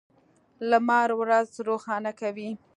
لمر ورځ روښانه کوي.